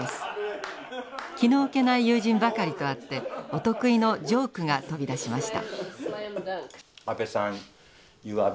気の置けない友人ばかりとあってお得意のジョークが飛び出しました。